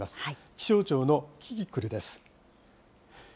気象庁のキキクルです。